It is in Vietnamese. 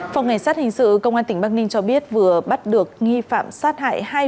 phòng cảnh sát hình sự công an tỉnh bắc ninh cho biết vừa bắt được nghi phạm sát hại